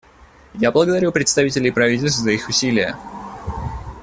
Я благодарю представителей правительств за их усилия.